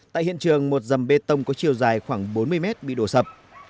tại hiện trường một dầm bê tông có chiều dài khoảng bốn mươi mét bị đổ sập